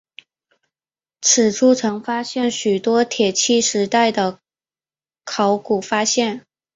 此处曾发现许多铁器时代的考古发现。